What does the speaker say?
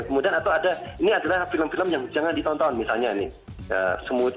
kemudian atau ada ini adalah film film yang jangan ditonton misalnya nih